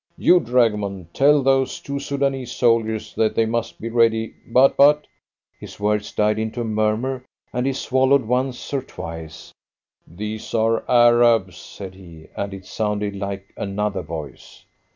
You, dragoman, tell those two Soudanese soldiers that they must be ready but, but" ... his words died into a murmur, and he swallowed once or twice. "These are Arabs," said he, and it sounded like another voice.